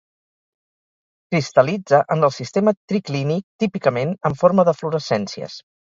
Cristal·litza en el sistema triclínic típicament en forma d'eflorescències.